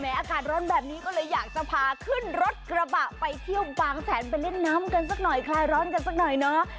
อากาศร้อนแบบนี้ก็เลยอยากจะพาขึ้นรถกระบะไปเที่ยวบางแสนไปเล่นน้ำกันสักหน่อยคลายร้อนกันสักหน่อยเนาะ